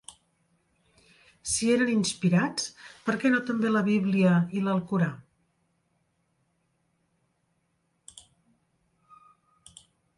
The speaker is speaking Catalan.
Si eren inspirats, per què no també la Bíblia i l'Alcorà?